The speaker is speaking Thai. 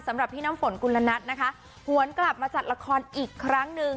สำหรับพี่น้ำฝนกุลนัทนะคะหวนกลับมาจัดละครอีกครั้งหนึ่ง